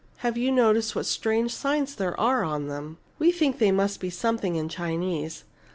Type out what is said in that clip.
Have you noticed what strange signs there are on them? We think they must be something in Chinese.